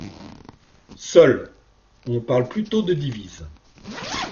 Seul, on parle plutôt de divise.